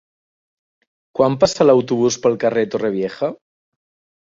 Quan passa l'autobús pel carrer Torrevieja?